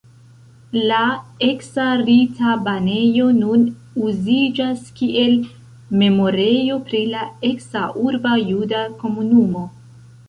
La eksa rita banejo nun uziĝas kiel memorejo pri la eksa urba juda komunumo.